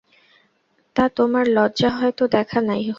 তা, তোমার লজ্জা হয় তো দেখা নাই হল।